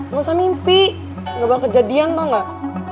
gak usah mimpi gak bakal kejadian tau gak